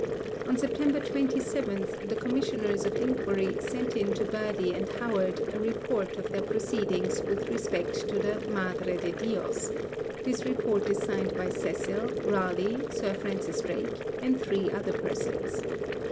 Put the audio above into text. On September 27, the Commissioners of Inquiry sent in to Burghley and Howard a report of their proceedings with respect to the 'Madre de Dios'; this report is signed by Cecil, Raleigh, Sir Francis Drake, and three other persons.